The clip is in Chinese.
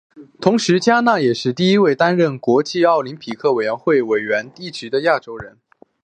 同时嘉纳也是第一位担任国际奥林匹克委员会委员一职的亚洲人。